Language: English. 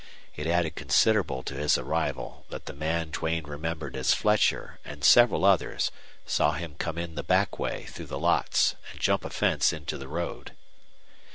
It added considerable to his arrival that the man Duane remembered as Fletcher and several others saw him come in the back way through the lots and jump a fence into the road.